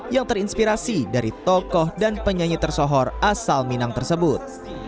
yang terinspirasi dari tokoh dan penyanyi tersohor asal minang tersebut